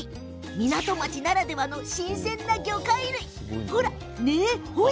港町ならではの新鮮な魚介類